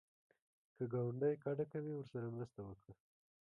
که ګاونډی کډه کوي، ورسره مرسته وکړه